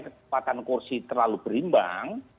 kepatuan kursi terlalu berimbang